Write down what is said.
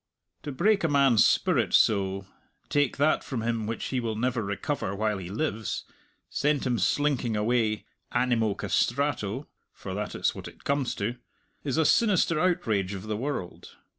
To break a man's spirit so, take that from him which he will never recover while he lives, send him slinking away animo castrato for that is what it comes to is a sinister outrage of the world.